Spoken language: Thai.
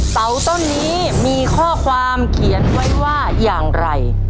เสาต้นนี้มีข้อความเขียนไว้ว่าอย่างไร